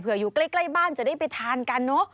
อยู่ใกล้บ้านจะได้ไปทานกันเนอะ